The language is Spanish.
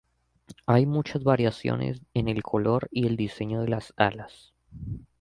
Hay muchas variaciones en el color y diseño de las alas.